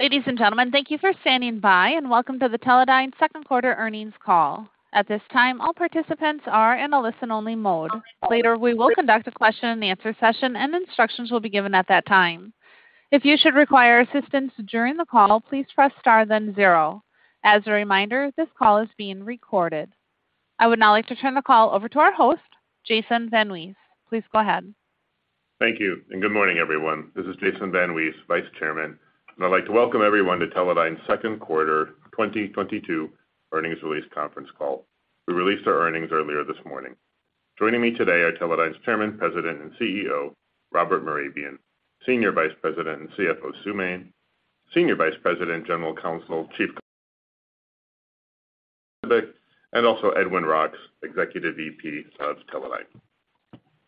Ladies and gentlemen, thank you for standing by, and welcome to the Teledyne second quarter earnings call. At this time, all participants are in a listen-only mode. Later, we will conduct a question and answer session, and instructions will be given at that time. If you should require assistance during the call, please press star then zero. As a reminder, this call is being recorded. I would now like to turn the call over to our host, Jason VanWees. Please go ahead. Thank you, and good morning, everyone. This is Jason VanWees, Vice Chairman, and I'd like to welcome everyone to Teledyne's second quarter 2022 earnings release conference call. We released our earnings earlier this morning. Joining me today are Teledyne's Chairman, President, and CEO, Robert Mehrabian, Senior Vice President and CFO, Sue Main, Senior Vice President, General Counsel, Chief and also Edwin Roks, Executive VP of Teledyne.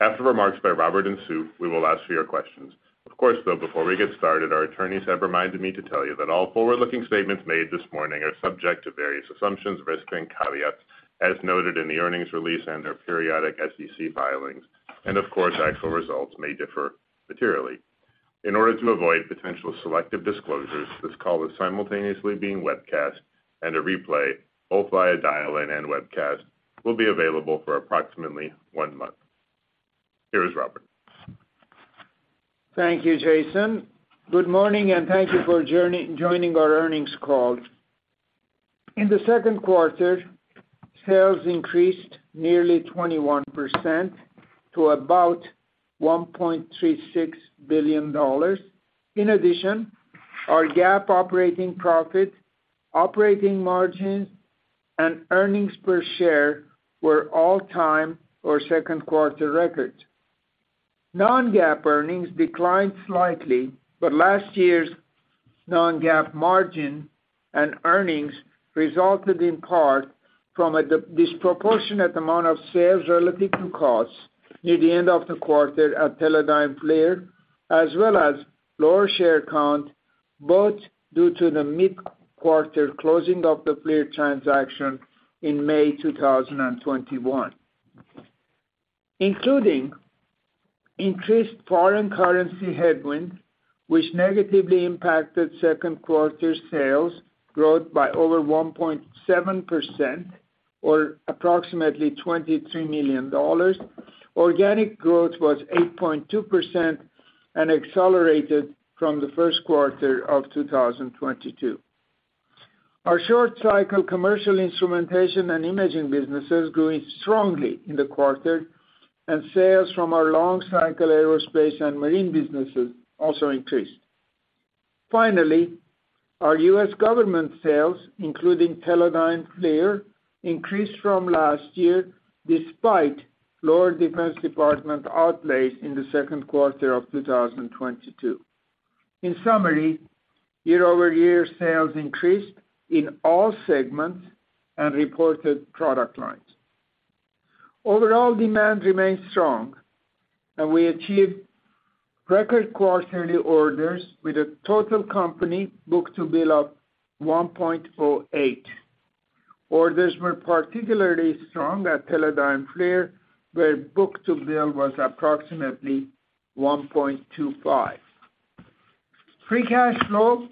After remarks by Robert and Sue, we will ask for your questions. Of course, though, before we get started, our attorneys have reminded me to tell you that all forward-looking statements made this morning are subject to various assumptions, risks, and caveats as noted in the earnings release and their periodic SEC filings. Of course, actual results may differ materially. In order to avoid potential selective disclosures, this call is simultaneously being webcast, and a replay, both via dial-in and webcast, will be available for approximately one month. Here is Robert. Thank you, Jason. Good morning, and thank you for joining our earnings call. In the second quarter, sales increased nearly 21% to about $1.36 billion. In addition, our GAAP operating profit, operating margin, and earnings per share were all-time or second quarter records. Non-GAAP earnings declined slightly, but last year's non-GAAP margin and earnings resulted in part from a disproportionate amount of sales relative to costs near the end of the quarter at Teledyne FLIR, as well as lower share count, both due to the mid-quarter closing of the FLIR transaction in May 2021. Including increased foreign currency headwinds, which negatively impacted second quarter sales growth by over 1.7% or approximately $23 million, organic growth was 8.2% and accelerated from the first quarter of 2022. Our short cycle commercial instrumentation and imaging businesses grew strongly in the quarter, and sales from our long cycle aerospace and marine businesses also increased. Finally, our U.S. government sales, including Teledyne FLIR, increased from last year, despite lower Defense Department outlays in the second quarter of 2022. In summary, year-over-year sales increased in all segments and reported product lines. Overall demand remained strong, and we achieved record quarterly orders with a total company book-to-bill of 1.08. Orders were particularly strong at Teledyne FLIR, where book-to-bill was approximately 1.25. Free cash flow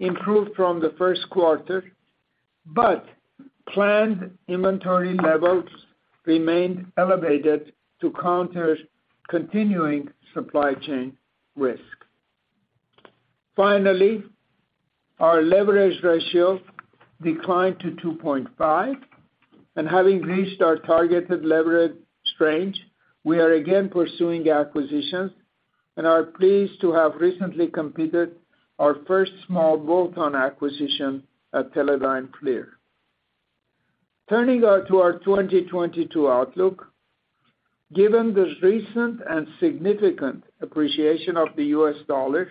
improved from the first quarter, but planned inventory levels remained elevated to counter continuing supply chain risk. Finally, our leverage ratio declined to 2.5, and having reached our targeted leverage range, we are again pursuing acquisitions and are pleased to have recently completed our first small bolt-on acquisition at Teledyne FLIR. Turning to our 2022 outlook, given the recent and significant appreciation of the U.S. dollar,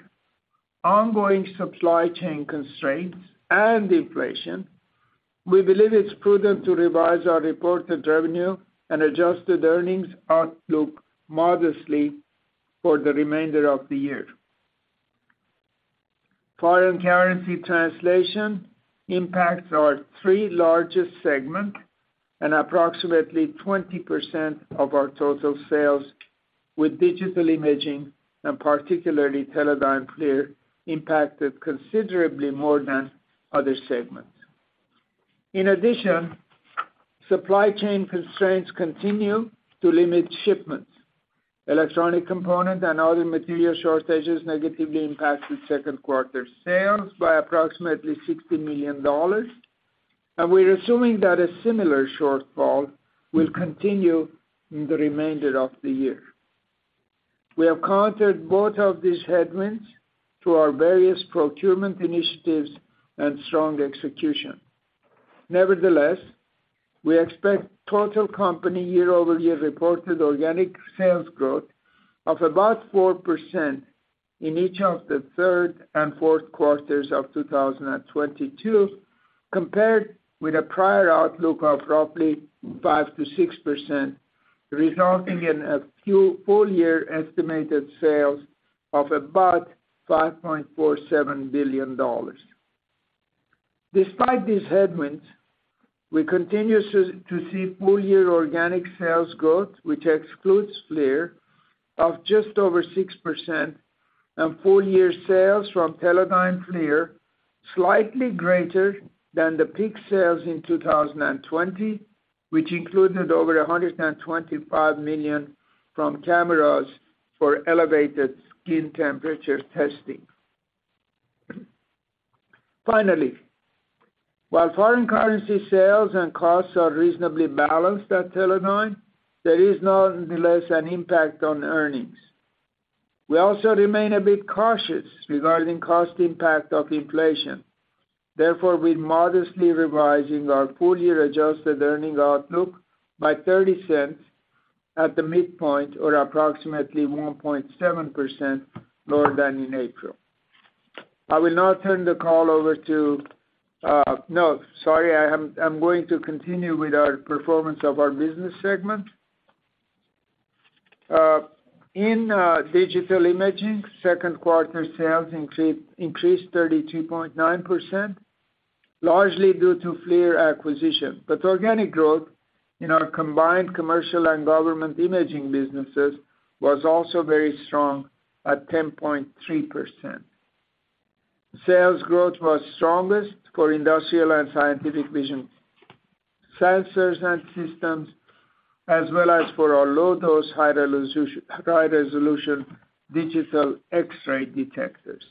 ongoing supply chain constraints, and inflation, we believe it's prudent to revise our reported revenue and adjusted earnings outlook modestly for the remainder of the year. Foreign currency translation impacts our three largest segments and approximately 20% of our total sales, with Digital Imaging and particularly Teledyne FLIR impacted considerably more than other segments. In addition, supply chain constraints continue to limit shipments. Electronic component and other material shortages negatively impacted second quarter sales by approximately $60 million, and we're assuming that a similar shortfall will continue in the remainder of the year. We have countered both of these headwinds through our various procurement initiatives and strong execution. Nevertheless, we expect total company year-over-year reported organic sales growth of about 4% in each of the third and fourth quarters of 2022, compared with a prior outlook of roughly 5%-6%, resulting in full year estimated sales of about $5.47 billion. Despite these headwinds, we continue to see full year organic sales growth, which excludes FLIR, of just over 6% and full year sales from Teledyne FLIR slightly greater than the peak sales in 2020, which included over $125 million from cameras for elevated skin temperature testing. Finally, while foreign currency sales and costs are reasonably balanced at Teledyne, there is nonetheless an impact on earnings. We also remain a bit cautious regarding cost impact of inflation. Therefore, we're modestly revising our full-year adjusted earnings outlook by $0.30 at the midpoint or approximately 1.7% lower than in April. I'm going to continue with our performance of our business segment. In Digital Imaging, second quarter sales increased 32.9%, largely due to FLIR acquisition. Organic growth in our combined commercial and government imaging businesses was also very strong at 10.3%. Sales growth was strongest for industrial and scientific vision sensors and systems, as well as for our low-dose, high-resolution digital X-ray detectors.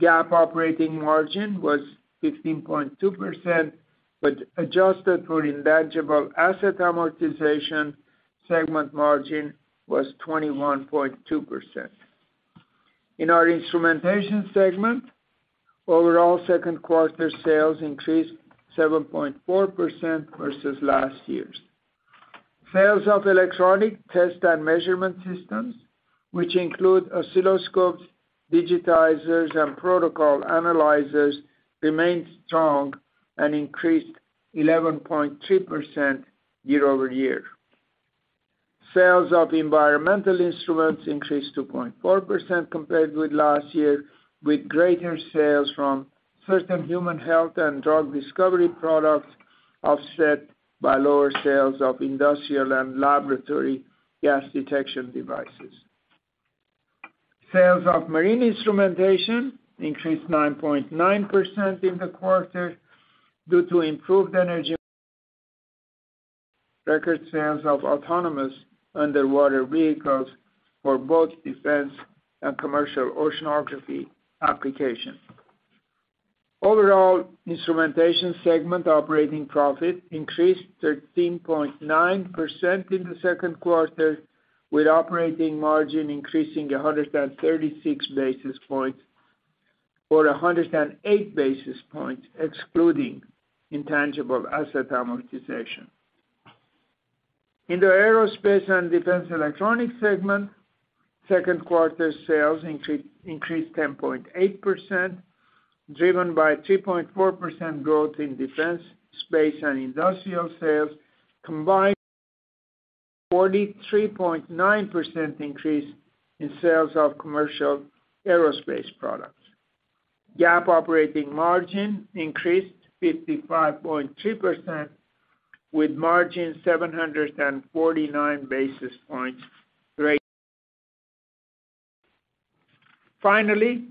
GAAP operating margin was 15.2%, but adjusted for intangible asset amortization, segment margin was 21.2%. In our instrumentation segment, overall second quarter sales increased 7.4% versus last year. Sales of electronic test and measurement systems, which include oscilloscopes, digitizers, and protocol analyzers, remained strong and increased 11.3% year-over-year. Sales of environmental instruments increased 2.4% compared with last year, with greater sales from certain human health and drug discovery products offset by lower sales of industrial and laboratory gas detection devices. Sales of marine instrumentation increased 9.9% in the quarter due to improved demand, record sales of autonomous underwater vehicles for both defense and commercial oceanography application. Overall, instrumentation segment operating profit increased 13.9% in the second quarter, with operating margin increasing 136 basis points, or 108 basis points excluding intangible asset amortization. In the Aerospace and Defense Electronics segment, second quarter sales increased 10.8%, driven by 3.4% growth in defense, space, and industrial sales, combined 43.9% increase in sales of commercial aerospace products. GAAP operating margin increased 55.2%, with margin 749 basis points rose. Finally,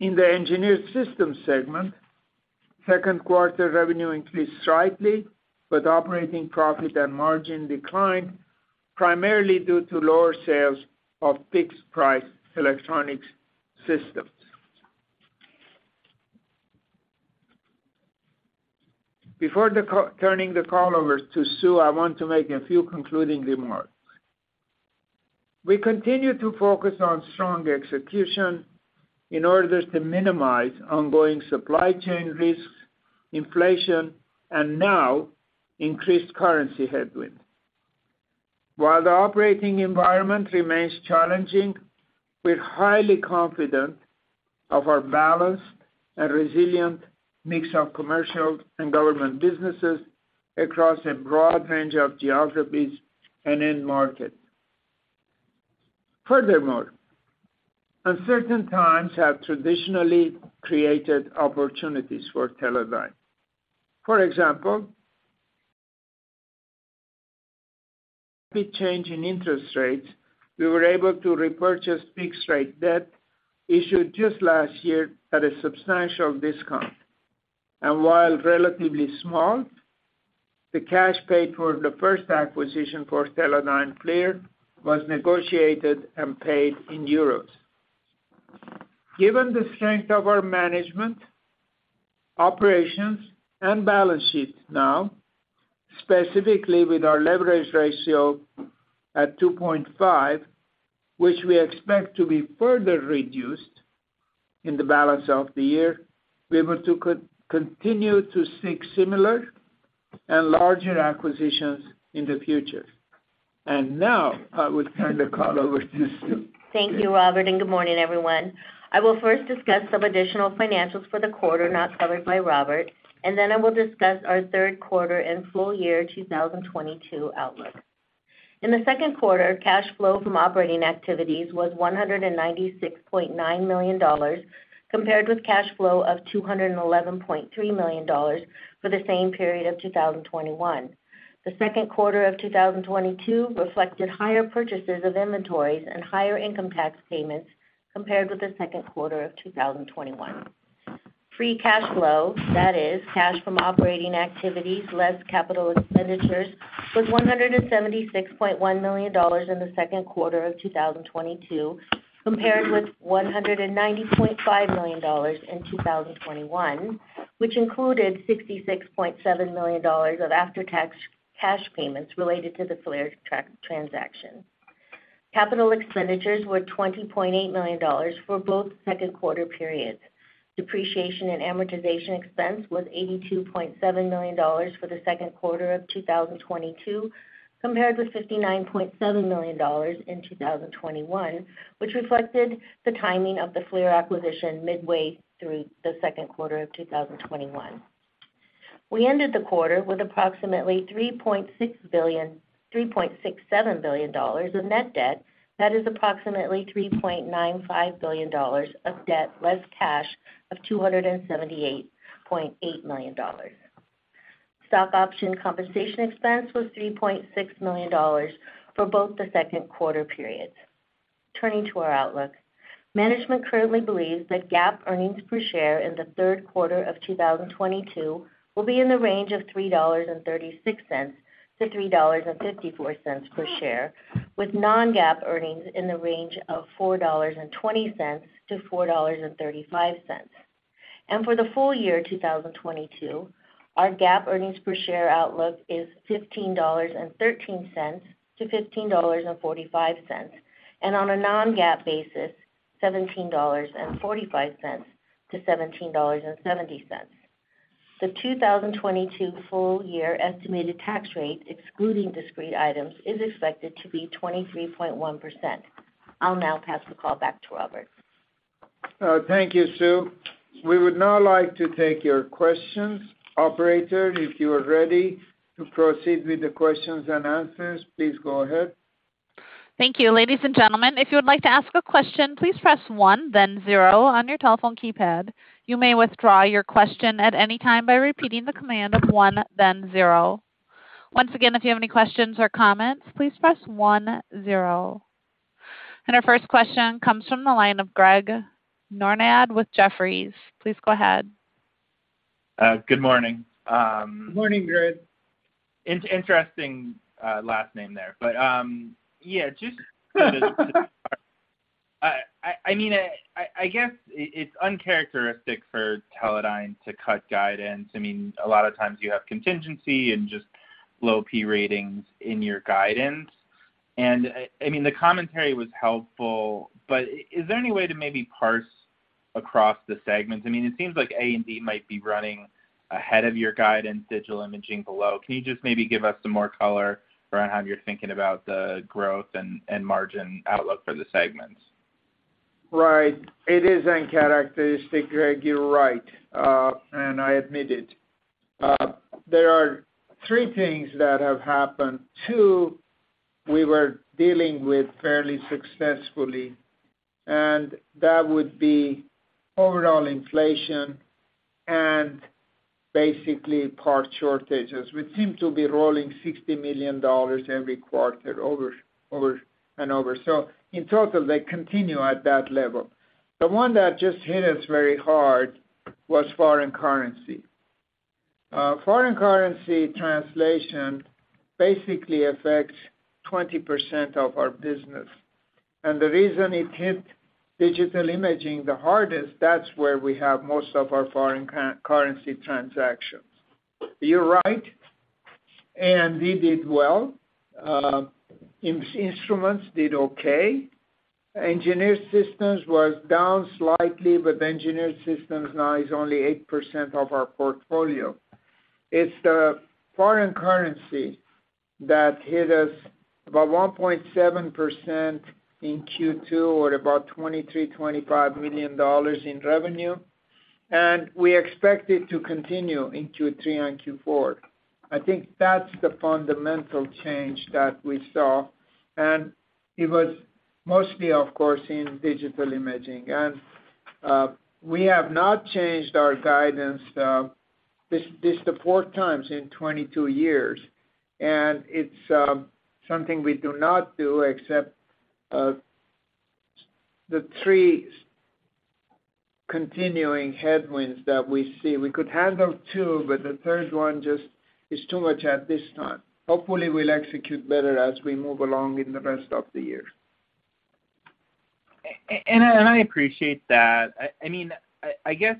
in the Engineered Systems segment, second quarter revenue increased slightly, but operating profit and margin declined primarily due to lower sales of fixed-price electronics systems. Before turning the call over to Sue, I want to make a few concluding remarks. We continue to focus on strong execution in order to minimize ongoing supply chain risks, inflation, and now increased currency headwind. While the operating environment remains challenging, we're highly confident of our balanced and resilient mix of commercial and government businesses across a broad range of geographies and end market. Furthermore, uncertain times have traditionally created opportunities for Teledyne. For example, with change in interest rates, we were able to repurchase fixed rate debt issued just last year at a substantial discount. While relatively small, the cash paid for the first acquisition for Teledyne FLIR was negotiated and paid in euros. Given the strength of our management, operations, and balance sheet now, specifically with our leverage ratio at 2.5, which we expect to be further reduced in the balance of the year, we want to continue to seek similar and larger acquisitions in the future. Now I would turn the call over to Sue. Thank you, Robert, and good morning, everyone. I will first discuss some additional financials for the quarter not covered by Robert, and then I will discuss our third quarter and full year 2022 outlook. In the second quarter, cash flow from operating activities was $196.9 million compared with cash flow of $211.3 million for the same period of 2021. The second quarter of 2022 reflected higher purchases of inventories and higher income tax payments compared with the second quarter of 2021. Free cash flow, that is cash from operating activities, less capital expenditures, was $176.1 million in the second quarter of 2022, compared with $190.5 million in 2021, which included $66.7 million of after-tax cash payments related to the FLIR transaction. Capital expenditures were $20.8 million for both second quarter periods. Depreciation and amortization expense was $82.7 million for the second quarter of 2022, compared with $59.7 million in 2021, which reflected the timing of the FLIR acquisition midway through the second quarter of 2021. We ended the quarter with approximately $3.67 billion in net debt. That is approximately $3.95 billion of debt, less cash of $278.8 million. Stock option compensation expense was $3.6 million for both the second quarter periods. Turning to our outlook. Management currently believes that GAAP earnings per share in the third quarter of 2022 will be in the range of $3.36-$3.54 per share, with non-GAAP earnings in the range of $4.20-$4.35. For the full year 2022, our GAAP earnings per share outlook is $15.13-$15.45, and on a non-GAAP basis, $17.45-$17.70. The 2022 full year estimated tax rate, excluding discrete items, is expected to be 23.1%. I'll now pass the call back to Robert. Thank you, Sue. We would now like to take your questions. Operator, if you are ready to proceed with the questions and answers, please go ahead. Thank you. Ladies and gentlemen, if you would like to ask a question, please press 1 then 0 on your telephone keypad. You may withdraw your question at any time by repeating the command of 1 then 0. Once again, if you have any questions or comments, please press 1 0. Our first question comes from the line of Greg Konrad with Jefferies. Please go ahead. Good morning. Good morning, Greg. Interesting last name there. I mean, I guess it's uncharacteristic for Teledyne to cut guidance. I mean, a lot of times you have contingency and just low-balled ratings in your guidance. I mean, the commentary was helpful, but is there any way to maybe parse across the segments? I mean, it seems like A&D might be running ahead of your guidance, Digital Imaging below. Can you just maybe give us some more color around how you're thinking about the growth and margin outlook for the segments? Right. It is uncharacteristic, Greg, you're right, and I admit it. There are three things that have happened. Two, we were dealing with fairly successfully, and that would be overall inflation and basically part shortages, which seem to be rolling $60 million every quarter over and over. In total, they continue at that level. The one that just hit us very hard was foreign currency. Foreign currency translation basically affects 20% of our business. The reason it hit Digital Imaging the hardest, that's where we have most of our foreign currency transactions. You're right, and we did well. Instrumentation did okay. Engineered Systems was down slightly, but Engineered Systems now is only 8% of our portfolio. It's the foreign currency that hit us about 1.7% in Q2, or about $23-$25 million in revenue, and we expect it to continue in Q3 and Q4. I think that's the fundamental change that we saw, and it was mostly, of course, in Digital Imaging. We have not changed our guidance, this the fourth time in 22 years, and it's something we do not do except the three continuing headwinds that we see. We could handle two, but the third one just is too much at this time. Hopefully, we'll execute better as we move along in the rest of the year. I appreciate that. I mean, I guess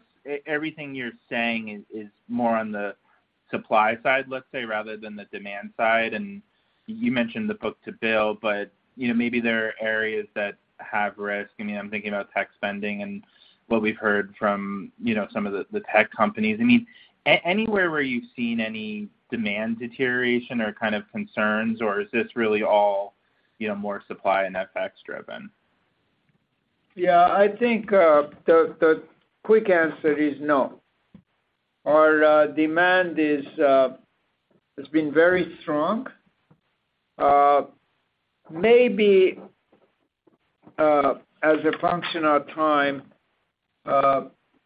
everything you're saying is more on the supply side, let's say, rather than the demand side. You mentioned the book-to-bill, but you know, maybe there are areas that have risk. I mean, I'm thinking about tech spending and what we've heard from, you know, some of the tech companies. I mean, anywhere where you've seen any demand deterioration or kind of concerns, or is this really all, you know, more supply and FX driven? Yeah, I think the quick answer is no. Our demand has been very strong. Maybe as a function of time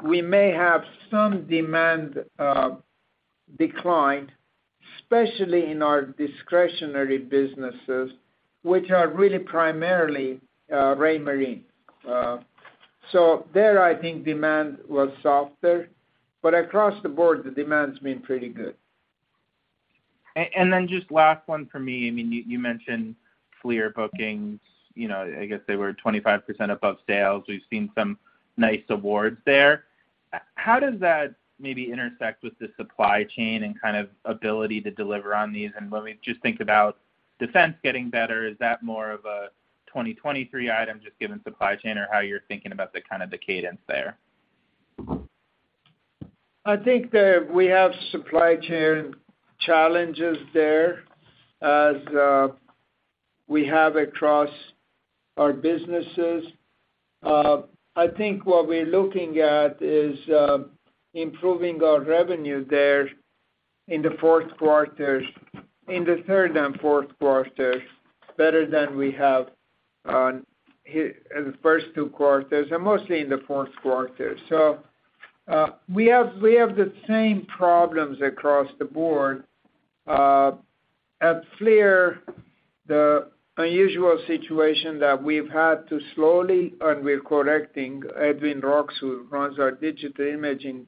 we may have some demand decline, especially in our discretionary businesses, which are really primarily Raymarine. There, I think demand was softer, but across the board, the demand's been pretty good. Just last one for me. I mean, you mentioned FLIR bookings. You know, I guess they were 25% above sales. We've seen some nice awards there. How does that maybe intersect with the supply chain and kind of ability to deliver on these? When we just think about defense getting better, is that more of a 2023 item just given supply chain or how you're thinking about the kind of the cadence there? I think that we have supply chain challenges there as we have across our businesses. I think what we're looking at is improving our revenue there in the third and fourth quarters better than we have in the first two quarters, and mostly in the fourth quarter. We have the same problems across the board. At FLIR, the unusual situation that we've had to slowly, and we're correcting, Edwin Roks, who runs our Digital Imaging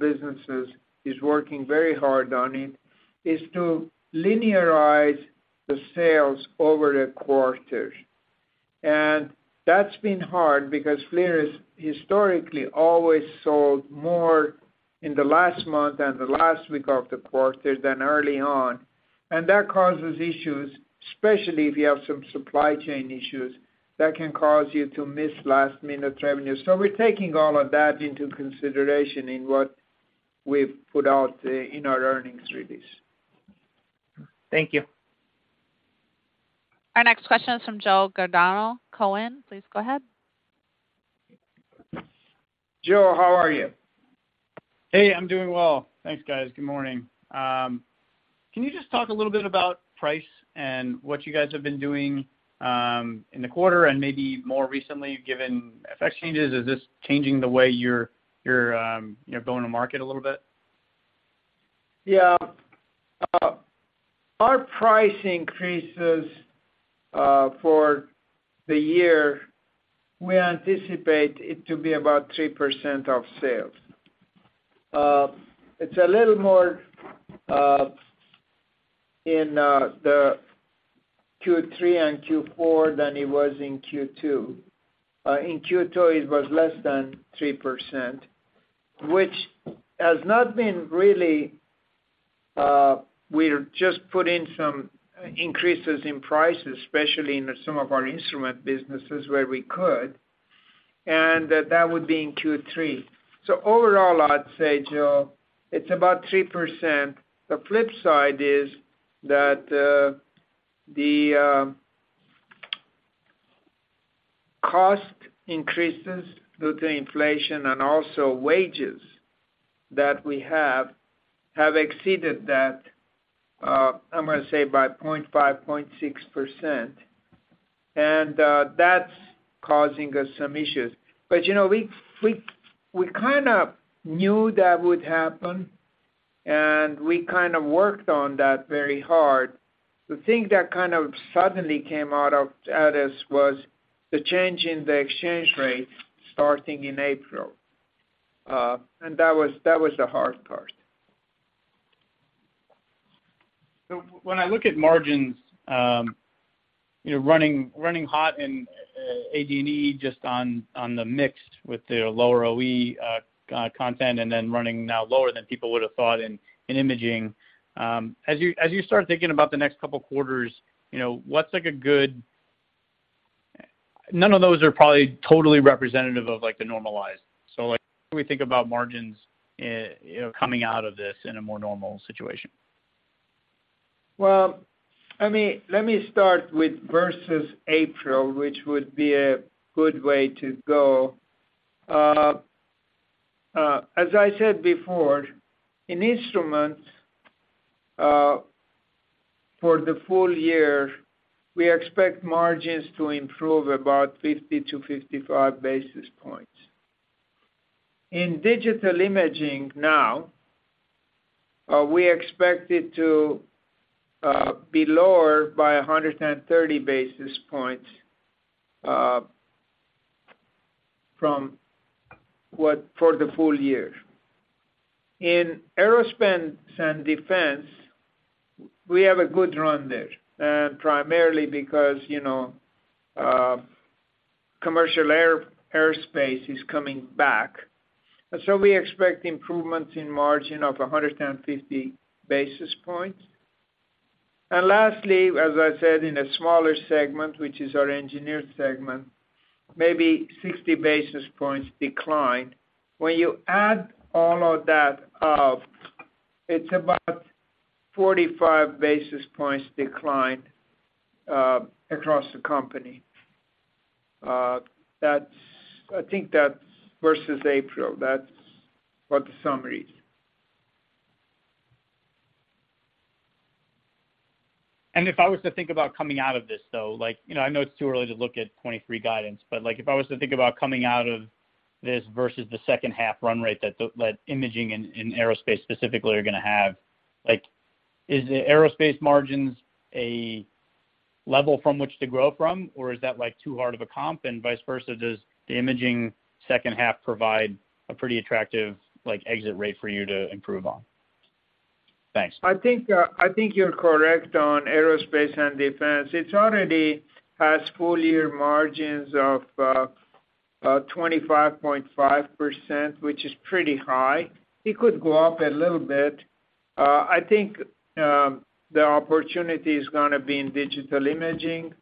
businesses, is working very hard on it, is to linearize the sales over the quarters. That's been hard because FLIR has historically always sold more in the last month and the last week of the quarter than early on. That causes issues, especially if you have some supply chain issues that can cause you to miss last-minute revenue. We're taking all of that into consideration in what we've put out in our earnings release. Thank you. Our next question is from Joe Giordano Cowen. Please go ahead. Joe, how are you? Hey, I'm doing well. Thanks, guys. Good morning. Can you just talk a little bit about price and what you guys have been doing in the quarter and maybe more recently, given FX changes, is this changing the way you're going to market a little bit? Yeah. Our price increases for the year, we anticipate it to be about 3% of sales. It's a little more in the Q3 and Q4 than it was in Q2. In Q2, it was less than 3%, which has not been really, we're just putting some increases in prices, especially in some of our instrument businesses where we could, and that would be in Q3. Overall, I'd say, Joe, it's about 3%. The flip side is that, the cost increases due to inflation and also wages that we have exceeded that, I'm gonna say by 0.5-0.6%, and that's causing us some issues. You know, we kinda knew that would happen, and we kind of worked on that very hard. The thing that kind of suddenly came out at us was the change in the exchange rate starting in April. That was the hard part. When I look at margins, you know, running hot in AD&E just on the mix with their lower OE content and then running now lower than people would have thought in imaging, as you start thinking about the next couple quarters, you know, what's like a good. None of those are probably totally representative of, like, the normalized. Like, how do we think about margins, you know, coming out of this in a more normal situation? Well, I mean, let me start with versus April, which would be a good way to go. As I said before, in Instrumentation, for the full year, we expect margins to improve about 50-55 basis points. In Digital Imaging now, we expect it to be lower by 130 basis points from what for the full year. In Aerospace and Defense, we have a good run there, primarily because, you know, commercial airspace is coming back. We expect improvements in margin of 150 basis points. Lastly, as I said, in a smaller segment, which is our Engineered Systems segment, maybe 60 basis points decline. When you add all of that up, it's about 45 basis points decline across the company. That's I think that's versus April. That's what the summary is. If I was to think about coming out of this, though, like, you know, I know it's too early to look at 2023 guidance, but, like, if I was to think about coming out of this versus the second half run rate that imaging and aerospace specifically are gonna have, like, is the aerospace margins a level from which to grow from? Or is that, like, too hard of a comp and vice versa? Does the imaging second half provide a pretty attractive, like, exit rate for you to improve on? Thanks. I think you're correct on aerospace and defense. It already has full year margins of 25.5%, which is pretty high. It could go up a little bit. I think the opportunity is gonna be in Digital Imaging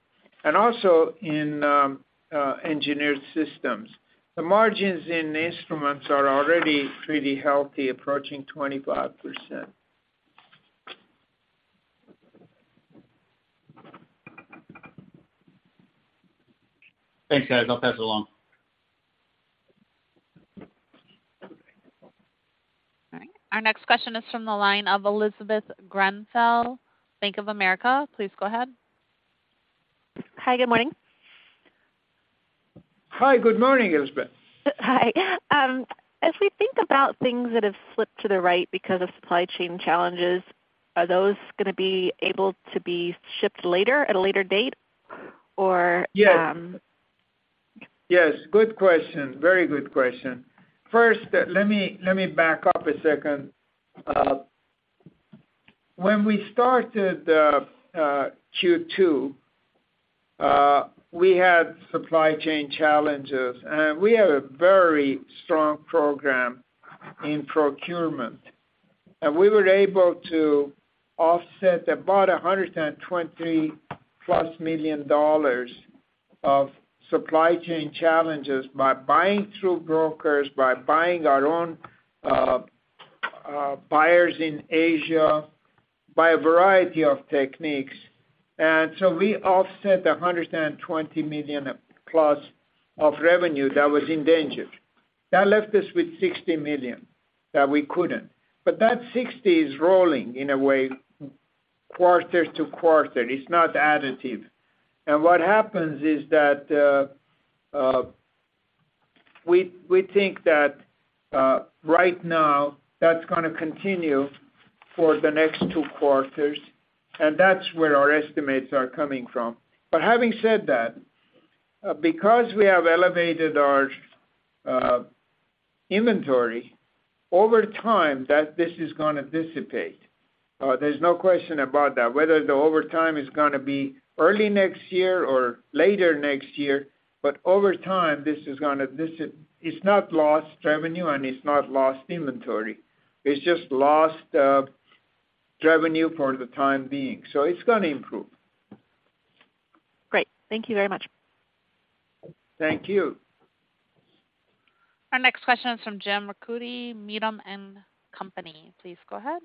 and also in Engineered Systems. The margins in Instrumentation are already pretty healthy, approaching 25%. Thanks, guys. I'll pass it along. All right. Our next question is from the line of Elizabeth Grenfell, Bank of America. Please go ahead. Hi, good morning. Hi, good morning, Elizabeth. Hi. As we think about things that have slipped to the right because of supply chain challenges, are those gonna be able to be shipped later at a later date? Or, Yes. Yes, good question. Very good question. First, let me back up a second. When we started Q2, we had supply chain challenges, and we have a very strong program in procurement. We were able to offset about $120+ million of supply chain challenges by buying through brokers, by buying our own buyers in Asia by a variety of techniques. So we offset $120 million plus of revenue that was endangered. That left us with $60 million that we couldn't. That $60 million is rolling in a way, quarter to quarter. It's not additive. What happens is that we think that right now that's gonna continue for the next two quarters, and that's where our estimates are coming from, but having said that, because we have elevated our inventory over time, that this is gonna dissipate. There's no question about that. Whether the over time is gonna be early next year or later next year. Over time, it's not lost revenue, and it's not lost inventory. It's just lost revenue for the time being, so it's gonna improve. Great. Thank you very much. Thank you. Our next question is from James Ricchiuti, Needham & Company. Please go ahead.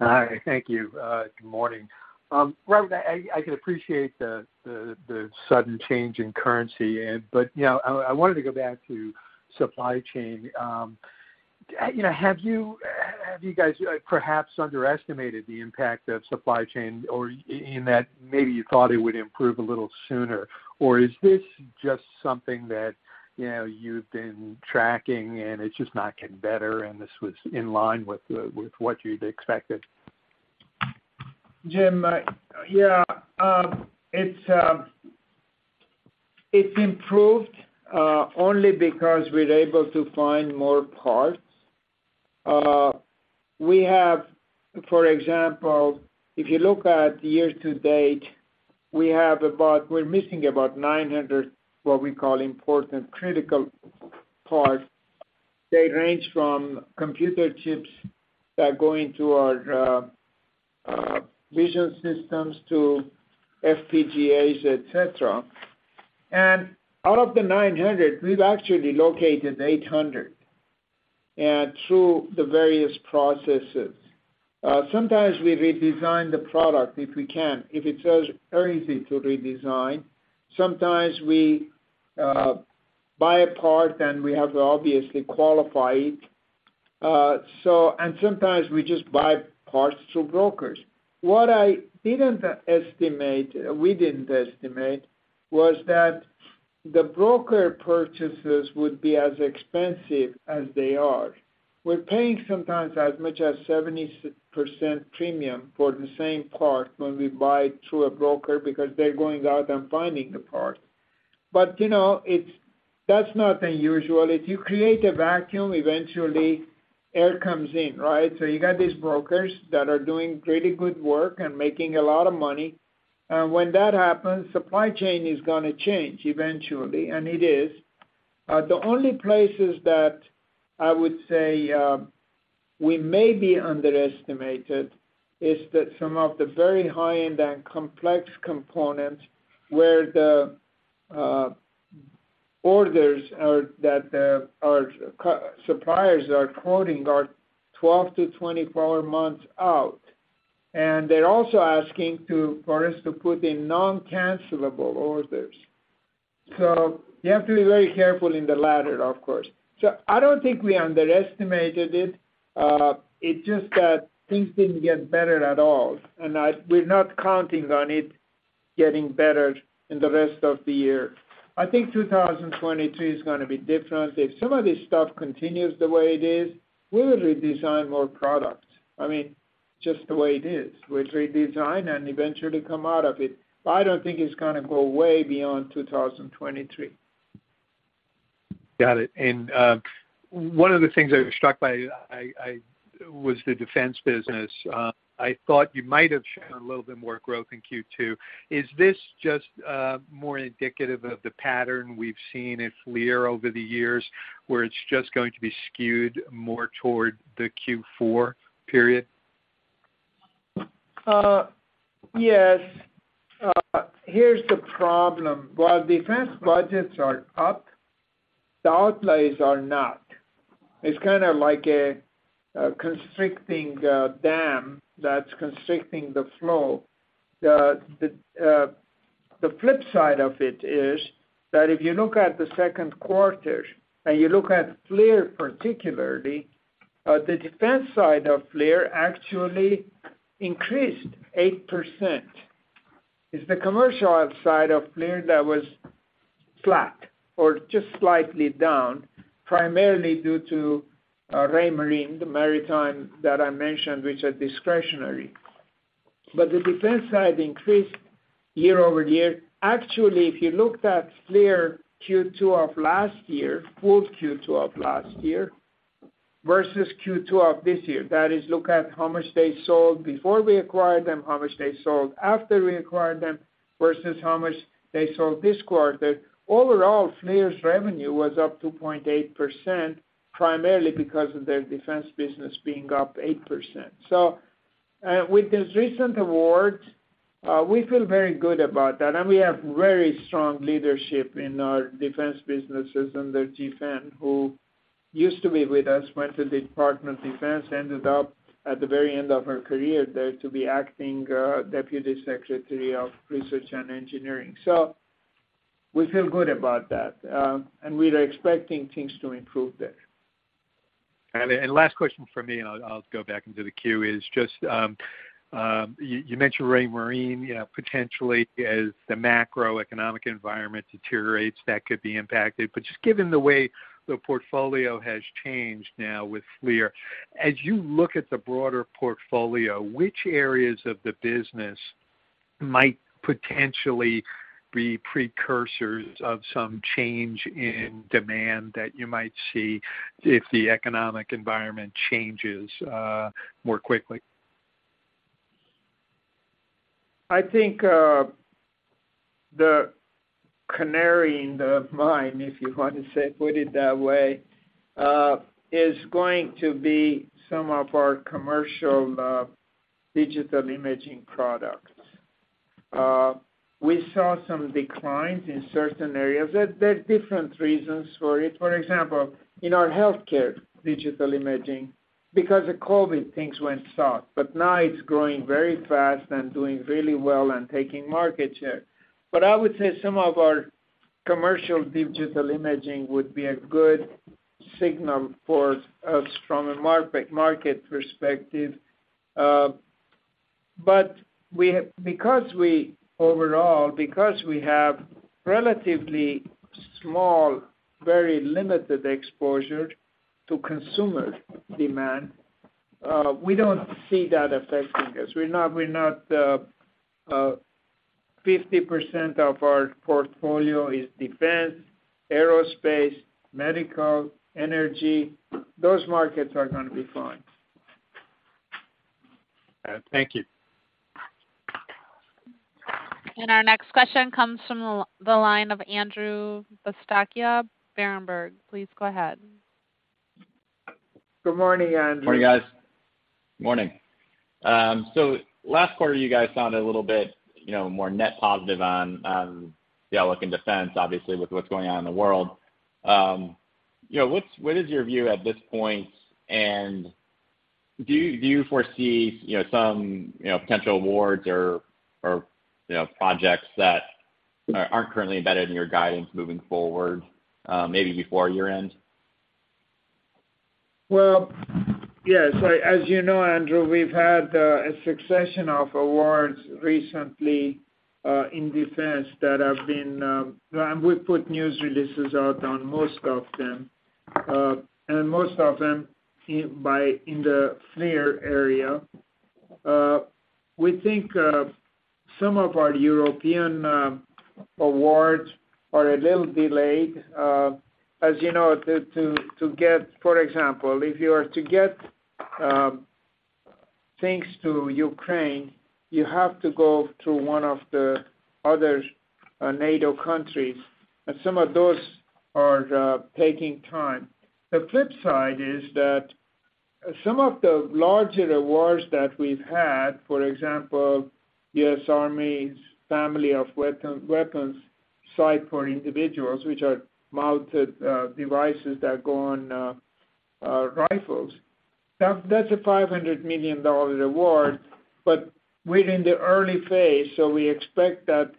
Hi. Thank you. Good morning. Robert, I can appreciate the sudden change in currency, but you know, I wanted to go back to supply chain. You know, have you guys perhaps underestimated the impact of supply chain or in that maybe you thought it would improve a little sooner? Or is this just something that, you know, you've been tracking and it's just not getting better, and this was in line with what you'd expected? Jim, yeah. It's improved only because we're able to find more parts. For example, if you look at year-to-date, we're missing about 900, what we call important critical parts. They range from computer chips that go into our vision systems to FPGAs, et cetera. Out of the 900, we've actually located 800, and through the various processes. Sometimes we redesign the product if we can, if it's easy to redesign. Sometimes we buy a part, and we have to obviously qualify it. Sometimes we just buy parts through brokers. What we didn't estimate was that the broker purchases would be as expensive as they are. We're paying sometimes as much as 70% premium for the same part when we buy through a broker because they're going out and finding the part. You know, that's not unusual. If you create a vacuum, eventually air comes in, right? You got these brokers that are doing pretty good work and making a lot of money. When that happens, supply chain is gonna change eventually, and it is. The only places that I would say we may be underestimated is that some of the very high-end and complex components where the orders our suppliers are quoting are 12-24 months out. They're also asking for us to put in non-cancelable orders. You have to be very careful in the latter, of course. I don't think we underestimated it's just that things didn't get better at all, and we're not counting on it getting better in the rest of the year. I think 2023 is gonna be different. If some of this stuff continues the way it is, we will redesign more products. I mean, just the way it is. We'll redesign and eventually come out of it. I don't think it's gonna go way beyond 2023. Got it. One of the things I was struck by was the defense business. I thought you might have shown a little bit more growth in Q2. Is this just more indicative of the pattern we've seen at FLIR over the years, where it's just going to be skewed more toward the Q4 period? Yes. Here's the problem: While defense budgets are up, the outlays are not. It's kind of like a constricting dam that's constricting the flow. The flip side of it is that if you look at the second quarter, and you look at FLIR particularly, the defense side of FLIR actually increased 8%. It's the commercial side of FLIR that was flat or just slightly down, primarily due to Raymarine, the maritime that I mentioned, which are discretionary. The defense side increased year over year. Actually, if you looked at FLIR Q2 of last year, full Q2 of last year, versus Q2 of this year, that is, look at how much they sold before we acquired them, how much they sold after we acquired them, versus how much they sold this quarter. Overall, FLIR's revenue was up 2.8%, primarily because of their defense business being up 8%. With this recent award, we feel very good about that, and we have very strong leadership in our defense businesses underJihFen, who used to be with us, went to the Department of Defense, ended up at the very end of her career there to be acting Deputy Secretary of Research and Engineering. We feel good about that, and we're expecting things to improve there. Got it. Last question from me, and I'll go back into the queue, is just you mentioned Raymarine, you know, potentially as the macroeconomic environment deteriorates that could be impacted. But just given the way the portfolio has changed now with FLIR, as you look at the broader portfolio, which areas of the business might potentially be precursors of some change in demand that you might see if the economic environment changes more quickly? I think, the canary in the mine, if you want to say, put it that way, is going to be some of our commercial digital imaging products. We saw some declines in certain areas. There are different reasons for it. For example, in our healthcare digital imaging, because of COVID, things went soft. Now it's growing very fast and doing really well and taking market share. I would say some of our commercial digital imaging would be a good signal for a stronger market perspective. Because we have relatively small, very limited exposure to consumer demand, we don't see that affecting us. 50% of our portfolio is defense, aerospace, medical, energy. Those markets are gonna be fine. Thank you. Our next question comes from the line of Andrew Buscaglia, Berenberg. Please go ahead. Good morning, Andrew. Morning, guys. Morning. Last quarter, you guys sounded a little bit, you know, more net positive on the outlook in defense, obviously with what's going on in the world. You know, what is your view at this point? Do you foresee, you know, some potential awards or projects that aren't currently embedded in your guidance moving forward, maybe before year-end? Well, yes. As you know, Andrew, we've had a succession of awards recently in defense that have been. We've put news releases out on most of them. Most of them in the FLIR area. We think some of our European awards are a little delayed. As you know, to get, for example, things to Ukraine, you have to go through one of the other NATO countries, and some of those are taking time. The flip side is that some of the larger awards that we've had, for example, US Army's Family of Weapon Sights for individuals which are mounted devices that go on rifles. Now, that's a $500 million award, but we're in the early phase, so we expect that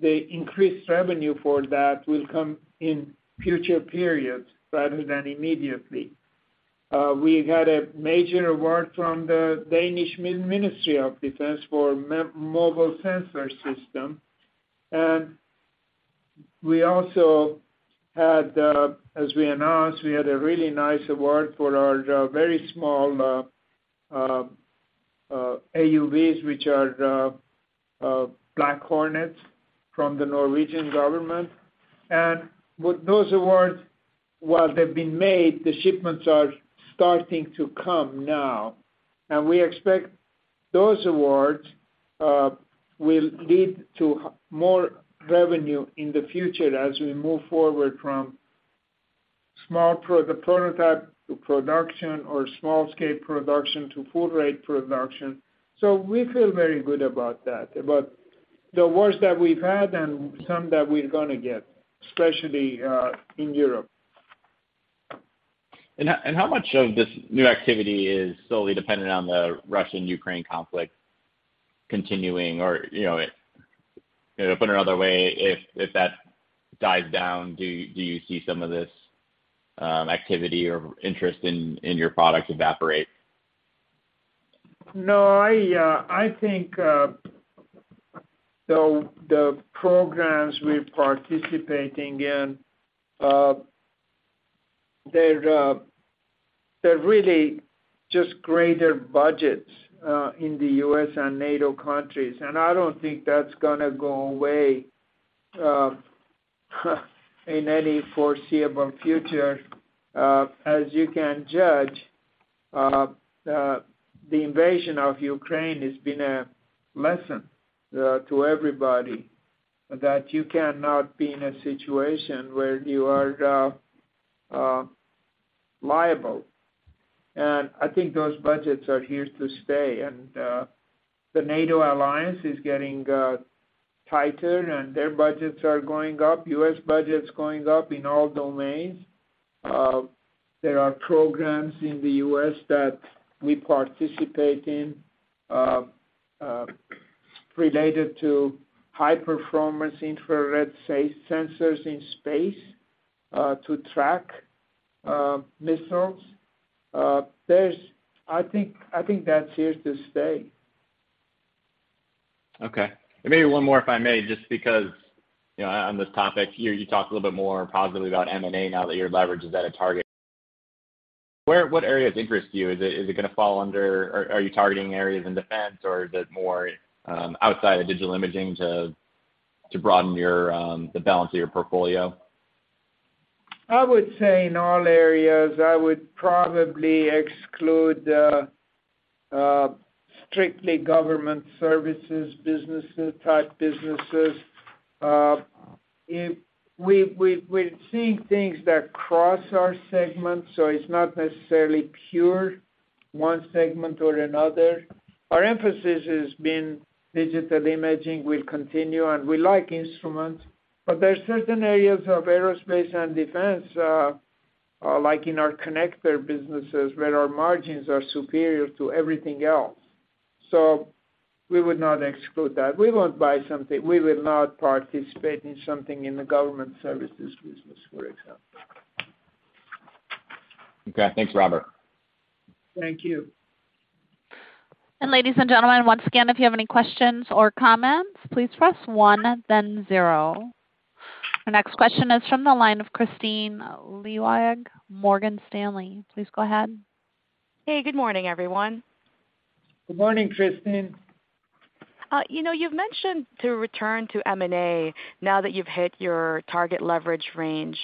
the increased revenue for that will come in future periods rather than immediately. We had a major award from the Danish Ministry of Defense for mobile sensor system. We also had, as we announced, we had a really nice award for our very small UAVs, which are the Black Hornet from the Norwegian government. With those awards, while they've been made, the shipments are starting to come now. We expect those awards will lead to more revenue in the future as we move forward from small prototype to production or small scale production to full rate production. We feel very good about that, about the awards that we've had and some that we're gonna get, especially in Europe. How much of this new activity is solely dependent on the Russia-Ukraine conflict continuing? Or, you know, put another way, if that dies down, do you see some of this activity or interest in your products evaporate? No, I think the programs we're participating in, they're really just greater budgets in the US and NATO countries, and I don't think that's gonna go away in any foreseeable future. As you can judge, the invasion of Ukraine has been a lesson to everybody that you cannot be in a situation where you are reliant. I think those budgets are here to stay. The NATO alliance is getting tighter, and their budgets are going up. US budget's going up in all domains. There are programs in the US that we participate in related to high-performance infrared sensors in space to track missiles. I think that's here to stay. Okay. Maybe one more, if I may, just because, you know, on this topic, you talked a little bit more positively about M&A now that your leverage is at a target. What areas interest you? Are you targeting areas in defense or is it more outside of Digital Imaging to broaden the balance of your portfolio? I would say in all areas. I would probably exclude strictly government services businesses-type businesses. We're seeing things that cross our segments, so it's not necessarily pure one segment or another. Our emphasis has been Digital Imaging will continue, and we like instruments, but there are certain areas of aerospace and defense like in our connector businesses, where our margins are superior to everything else. We would not exclude that. We will not participate in something in the government services business, for example. Okay. Thanks, Robert. Thank you. Ladies and gentlemen, once again, if you have any questions or comments, please press one then zero. The next question is from the line of Kristine Liwag, Morgan Stanley. Please go ahead. Hey, good morning, everyone. Good morning, Kristine. you know, you've mentioned to return to M&A now that you've hit your target leverage range.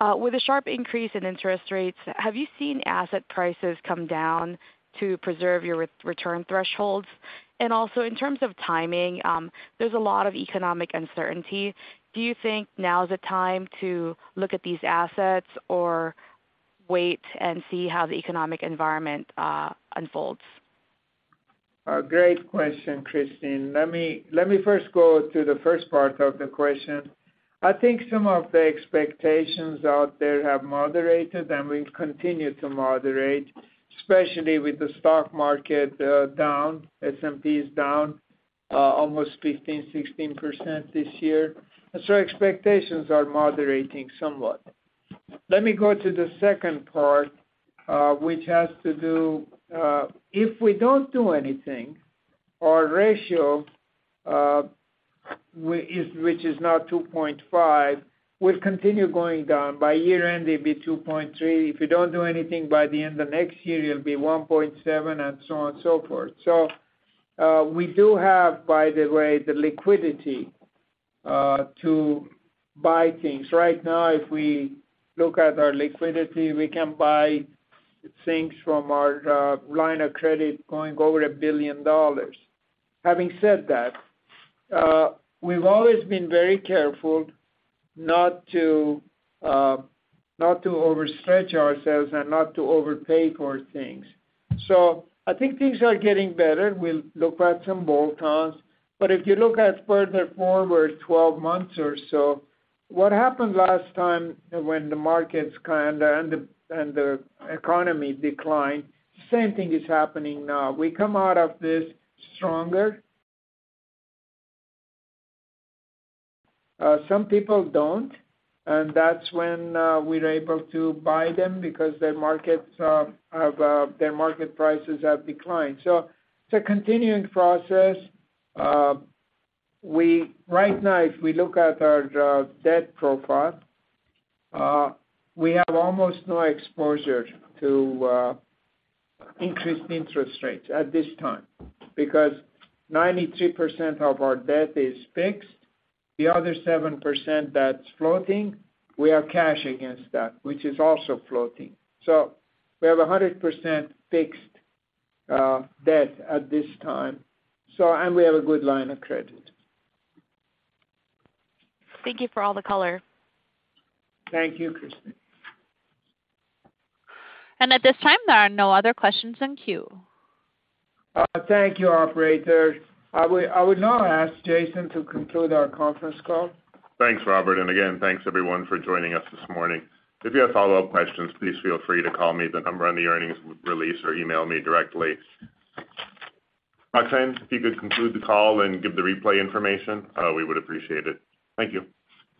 With a sharp increase in interest rates, have you seen asset prices come down to preserve your return thresholds? Also, in terms of timing, there's a lot of economic uncertainty. Do you think now is the time to look at these assets or wait and see how the economic environment unfolds? A great question, Kristine. Let me first go to the first part of the question. I think some of the expectations out there have moderated, and will continue to moderate, especially with the stock market down. S&P is down almost 15-16% this year. Expectations are moderating somewhat. Let me go to the second part, which has to do if we don't do anything, our ratio which is now 2.5, will continue going down. By year-end, it'll be 2.3. If you don't do anything by the end of next year, it'll be 1.7, and so on and so forth. We do have, by the way, the liquidity to buy things. Right now, if we look at our liquidity, we can buy things from our line of credit going over $1 billion. Having said that, we've always been very careful not to overstretch ourselves and not to overpay for things. I think things are getting better. We'll look at some bolt-ons. If you look further forward 12 months or so, what happened last time when the markets and the economy declined, same thing is happening now. We come out of this stronger. Some people don't, and that's when we're able to buy them because their market prices have declined. It's a continuing process. Right now, if we look at our debt profile, we have almost no exposure to increased interest rates at this time because 93% of our debt is fixed. The other 7% that's floating, we have cash against that, which is also floating. So we have 100% fixed debt at this time. We have a good line of credit. Thank you for all the color. Thank you, Christine. At this time, there are no other questions in queue. Thank you, operator. I would now ask Jason to conclude our conference call. Thanks, Robert. Again, thanks everyone for joining us this morning. If you have follow-up questions, please feel free to call me at the number on the earnings release or email me directly. Roxanne, if you could conclude the call and give the replay information, we would appreciate it. Thank you.